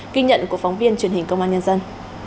ghi nhận của phóng viên truyền hình công an nhân dân